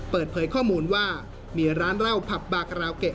เปิดเผยข้อมูลว่ามีร้านเหล้าผับบากราวเกะ